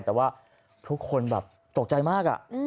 แต่ว่าทุกคนแบบตกใจมาก